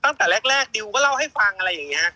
ตั้งแต่แรกดิวก็เล่าให้ฟังอะไรอย่างนี้